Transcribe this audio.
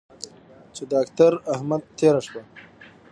چې داکتر احمد تېره شپه